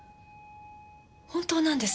本当なんです。